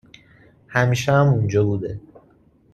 همیشه هم اونجا بوده